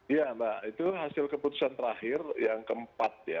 iya mbak itu hasil keputusan terakhir yang keempat ya